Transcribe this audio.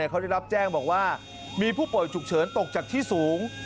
เขาได้รับแจ้งบอกว่ามีผู้ป่วยฉุกเฉินตกจากที่สูง